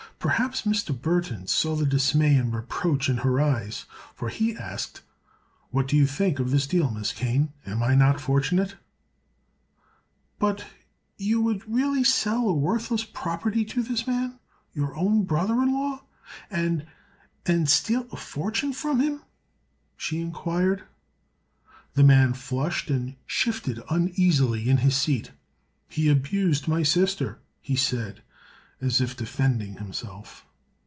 Perhaps Mr. Burthon saw the dismay and reproach in her eyes, for he asked: "What do you think of this deal, Miss Kane? Am I not fortunate?" "But—would you really sell a worthless property to this man—your own brother in law—and—and steal a fortune from him?" she inquired. The man flushed and shifted uneasily in his seat. "He abused my sister," he said, as if defending himself.